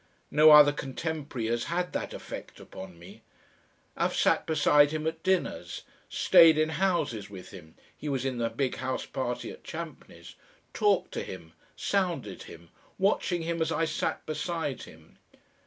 No other contemporary has had that effect upon me. I've sat beside him at dinners, stayed in houses with him he was in the big house party at Champneys talked to him, sounded him, watching him as I sat beside him.